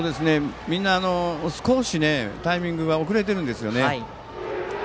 みんな少しタイミングが遅れているんですよね。